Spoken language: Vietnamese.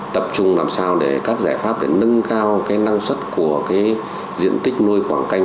tập trung làm sao để các giải pháp để nâng cao năng suất của diện tích nuôi quảng canh